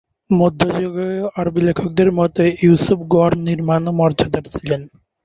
মধ্যযুগীয় আরবি লেখকদের মতে, ইউসুফ গড় নির্মাণ ও মর্যাদার ছিলেন।